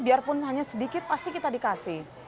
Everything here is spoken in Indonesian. biarpun hanya sedikit pasti kita dikasih